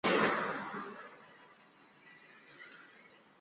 本作的背景为系列首次设定于第一次世界大战。